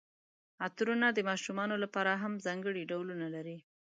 عطرونه د ماشومانو لپاره هم ځانګړي ډولونه لري.